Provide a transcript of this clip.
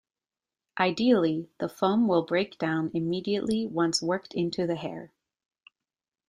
Ideally, the foam will break down immediately once worked into the hair.